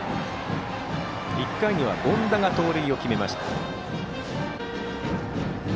１回には権田が盗塁を決めました。